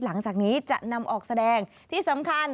หลังจากนี้จะนำออกแสดงที่สำคัญ